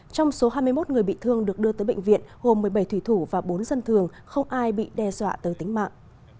trong số hai mươi một người bị thương được đưa tới bệnh viện gồm một mươi bảy thủy thủ và bốn dân thường không ai bị đe dọa tới tính mạng